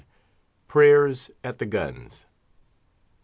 PRAYERS AT THE GUNS.